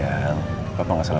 apa yang terjadi